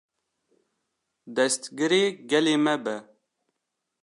destgirê gelê me be!